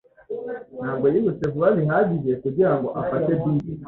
Ntabwo yirutse vuba bihagije kugirango afate bisi.